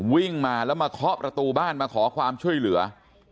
วิ่งมาแล้วมาเคาะประตูบ้านมาขอความช่วยเหลือ